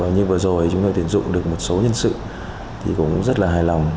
như vừa rồi chúng tôi tuyển dụng được một số nhân sự thì cũng rất là hài lòng